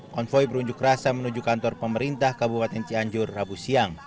konvoy berunjuk rasa menuju kantor pemerintah kabupaten cianjur rabu siang